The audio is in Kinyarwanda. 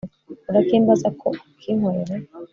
urakimbaza ko ukinkorere